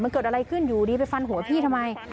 มันเกิดอะไรขึ้นอยู่ดีไปฟันหัวพี่ทำไม